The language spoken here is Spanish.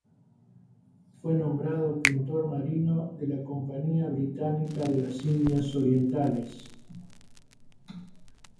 Fue nombrado Pintor Marino de la Compañía Británica de las Indias Orientales.